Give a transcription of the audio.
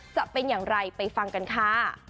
จะเป็นอย่างไรไปฟังกันค่ะ